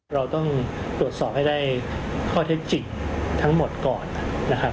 เราต้องตรวจสอบให้ได้ข้อเท็จจริงทั้งหมดก่อนนะครับ